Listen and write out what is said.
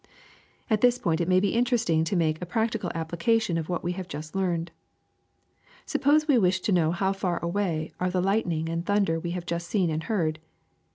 ^'At this point it may be interesting to make a practical application of what we have just learned. Suppose we wish to know how far away are the light ning and thunder we have just seen and heard.